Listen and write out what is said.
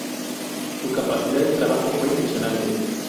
Su capacidad de trabajo fue impresionante.